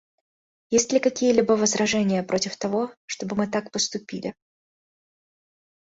Есть ли какие-либо возражения против того, чтобы мы так поступили?